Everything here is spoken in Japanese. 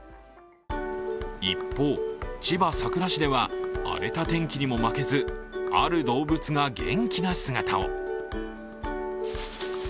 一方、千葉・佐倉市では、荒れた天気にも負けず、ある動物が元気な姿を。